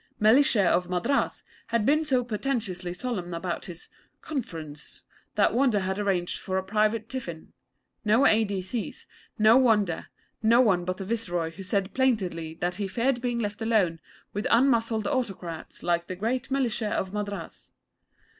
Mellishe of Madras had been so portentously solemn about his 'conference,' that Wonder had arranged for a private tiffin, no A. D. C.'s, no Wonder, no one but the Viceroy, who said plaintively that he feared being left alone with unmuzzled autocrats like the great Mellishe of Madras.